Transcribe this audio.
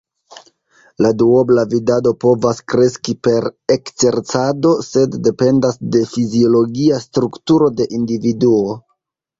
La duobla vidado povas kreski per ekzercado, sed dependas de fiziologia strukturo de individuo.